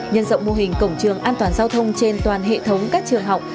nhân rộng mô hình cổng trường an toàn giao thông trên toàn hệ thống các trường học